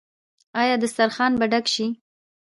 آیا دسترخان به ډک شي؟